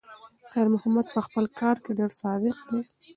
خیر محمد په خپل کار کې ډېر صادق دی.